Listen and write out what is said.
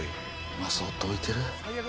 今、そっと置いてる。